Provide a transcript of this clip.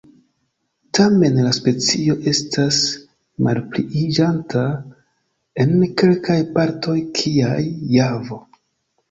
Tamen la specio estas malpliiĝanta en kelkaj partoj kiaj Javo.